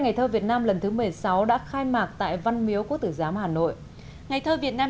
ngày thơ việt nam lần thứ một mươi sáu đã khai mạc tại văn miếu quốc tử giám hà nội ngày thơ việt nam